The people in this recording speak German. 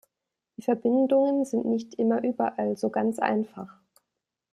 Die Verbindungen sind nicht immer überall so ganz einfach....